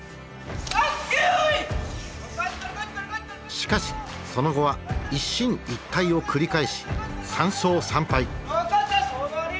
しかしその後は一進一退を繰り返し３勝３敗。